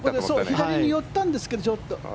左に寄ったんですけどちょっと。